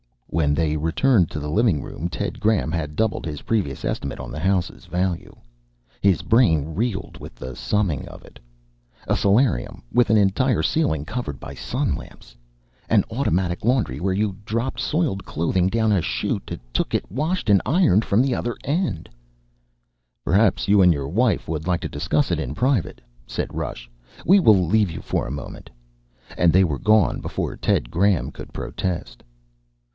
When they returned to the living room, Ted Graham had doubled his previous estimate on the house's value. His brain reeled with the summing of it: a solarium with an entire ceiling covered by sun lamps, an automatic laundry where you dropped soiled clothing down a chute, took it washed and ironed from the other end ... "Perhaps you and your wife would like to discuss it in private," said Rush. "We will leave you for a moment." And they were gone before Ted Graham could protest.